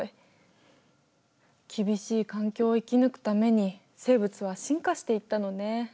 厳しい環境を生き抜くために生物は進化していったのね。